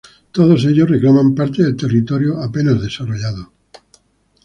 Todos ellos reclamaban parte del territorio apenas desarrollado.